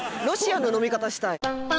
ロシアの飲み方したい。